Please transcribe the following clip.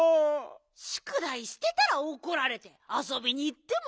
しゅくだいしてたらおこられてあそびにいってもおこられて。